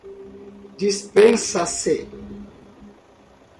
Dispensa-se